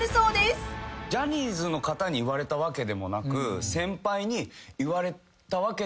ジャニーズの方に言われたわけでもなく。